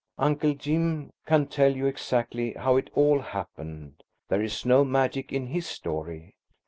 Uncle Jim can tell you exactly how it all happened. There is no magic in his story.